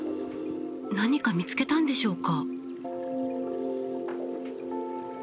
何か見つけたんでしょうか？